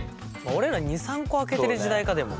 俺ら２３個開けてる時代かでも。